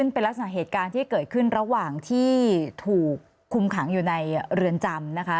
เป็นลักษณะเหตุการณ์ที่เกิดขึ้นระหว่างที่ถูกคุมขังอยู่ในเรือนจำนะคะ